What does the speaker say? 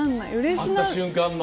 会った瞬間の？